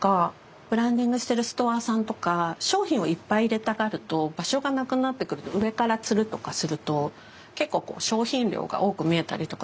ブランディングしてるストアさんとか商品をいっぱい入れたがると場所がなくなってくると上からつるとかすると結構商品量が多く見えたりとかするので。